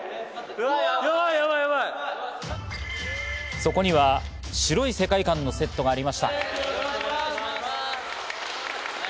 そこには白い世界観のセットがありました。